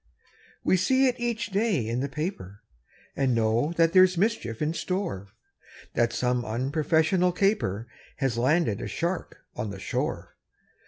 We see it each day in the paper, And know that there's mischief in store; That some unprofessional caper Has landed a shark on the shore.